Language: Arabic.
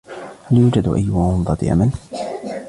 هل يوجد أي ومضة أمل؟